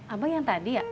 abang yang tadi ya